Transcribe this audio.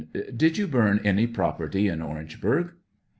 Did you burn any property in Orangeburg